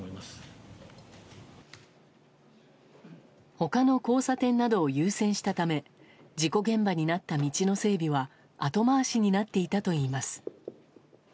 他の交差点などを優先したため事故現場になった道の整備は後回しになっていたといいます。